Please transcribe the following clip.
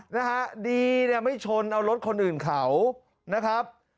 นะฮะดีเนี่ยไม่ชนเอารถคนอื่นเขานะครับ